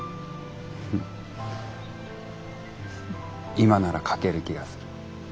今なら書ける気がする。